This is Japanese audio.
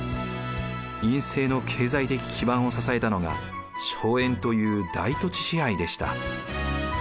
院政の経済的基盤を支えたのが荘園という大土地支配でした。